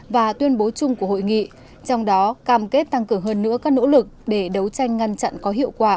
và tuyên bố chung của hội nghị trong đó cam kết tăng cường hơn nữa các nỗ lực để đấu tranh ngăn chặn có hiệu quả